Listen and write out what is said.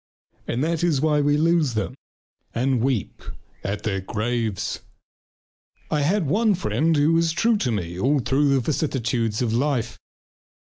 And that is why we lose them and weep at their graves. I had one friend who was true to me through all the vicissitudes of life.